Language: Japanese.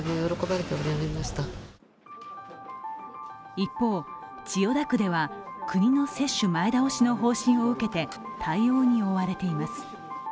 一方、千代田区では国の接種前倒しの方針を受けて対応に追われています。